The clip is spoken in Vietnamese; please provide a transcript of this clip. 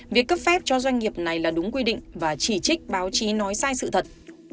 việc cấp phép cho doanh nghiệp này là đúng quy định và chỉ trích báo chí nói sai sự thật